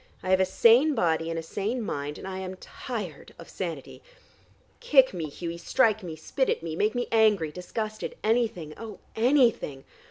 I have a sane body and a sane mind, and I am tired of sanity. Kick me, Hughie, strike me, spit at me, make me angry and disgusted, anything, oh, anything!